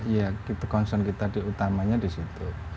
ya itu concern kita di utamanya di situ